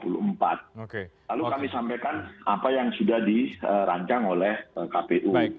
lalu kami sampaikan apa yang sudah dirancang oleh kpu